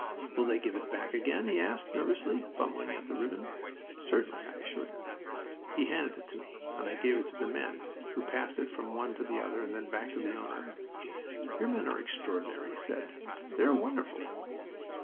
"Will they give it back again?" he asked, nervously, fumbling at the ribbon. "Certainly," I assured him. He handed it to me, and I gave it to the men, who passed it from one to the other and then back to the owner. "Your men are extraordinary," he said. "They are wonderful."